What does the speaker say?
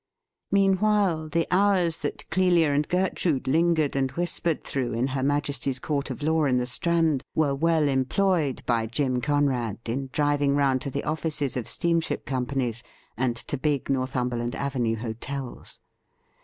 Meanwhile the hours that Clelia and Gertrude lingered and whispered through in her Majesty's court of law in the Strand were well employed by Jim Conrad in driving round to the offices of steamship companies and to big North umberland Avenue hotels.